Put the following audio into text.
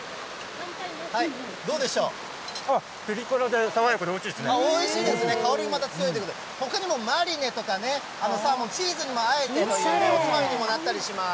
ピリ辛で、おいしいですね、香りも強いということで、ほかにもマリネとかね、サーモン、チーズでもあえて、おつまみにもなったりします。